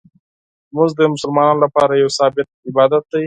لمونځ د مسلمانانو لپاره یو ثابت عبادت دی.